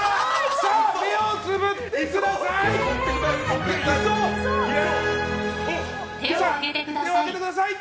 目をつぶってください！